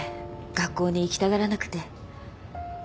学校に行きたがらなくて。